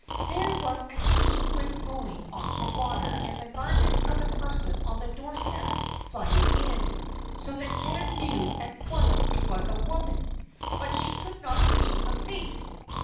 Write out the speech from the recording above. There was a keen wind blowing off the water and the garments of the person on the doorstep fluttered in it, so that Nan knew at once it was a woman; but she could not see her face.